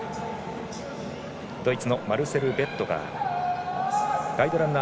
ドイツのマルセル・ベットガー。